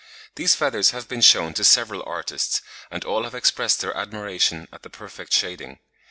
These feathers have been shown to several artists, and all have expressed their admiration at the perfect shading.